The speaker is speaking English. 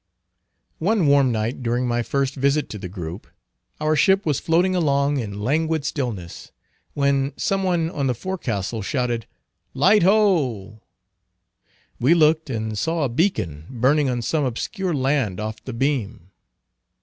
One warm night during my first visit to the group, our ship was floating along in languid stillness, when some one on the forecastle shouted "Light ho!" We looked and saw a beacon burning on some obscure land off the beam.